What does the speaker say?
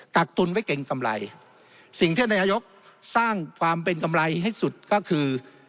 ักตุนไว้เก่งกำไรสิ่งที่นายกสร้างความเป็นกำไรให้สุดก็คือ